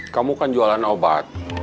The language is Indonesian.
kamu kan jualan obat